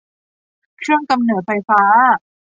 เครื่องกำเนิดไฟฟ้า